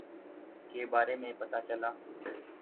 کے بارے میں پتا چلا ہے